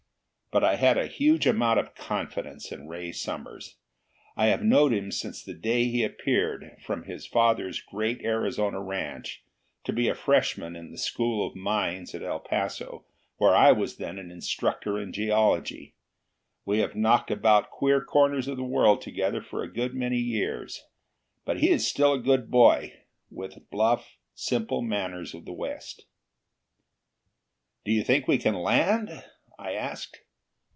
But I had a huge amount of confidence in Ray Summers. I have known him since the day he appeared, from his father's great Arizona ranch, to be a freshman in the School of Mines at El Paso, where I was then an instructor in geology. We have knocked about queer corners of the world together for a good many years. But he is still but a great boy, with the bluff, simple manners of the West. "Do you think we can land?" I asked.